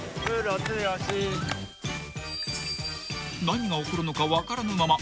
［何が起こるのか分からぬまま］